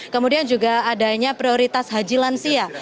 kemudian juga adanya prioritas haji lansia